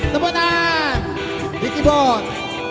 tembunan di keyboard